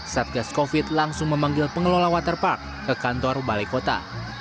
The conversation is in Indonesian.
satgas covid langsung memanggil pengelola waterpark ke kantor balai kota